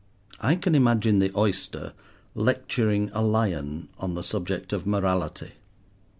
I can imagine the oyster lecturing a lion on the subject of morality.